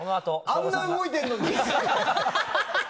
あんなに動いているのに。